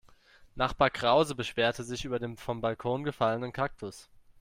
Nachbar Krause beschwerte sich über den vom Balkon gefallenen Kaktus.